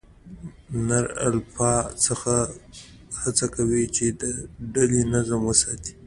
نر الفا هڅه کوي، چې د ډلې نظم وساتي.